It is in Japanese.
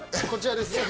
こちらです。